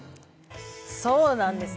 そうなんです。